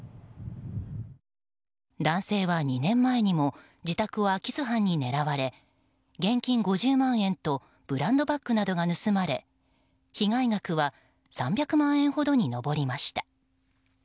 男性は２年前にも自宅を空き巣犯に狙われ現金５０万円とブランドバッグなどが盗まれ被害額は３００万円ほどに上りました。